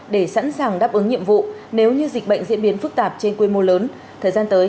để sẵn sàng đáp ứng nhiệm vụ nếu như dịch bệnh diễn biến phức tạp trên quy mô lớn thời gian tới